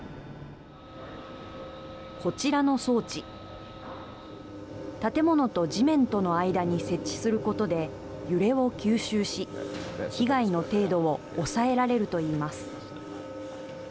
こちらの装置建物と地面との間に設置することで揺れを吸収し被害の程度を抑えられると言います。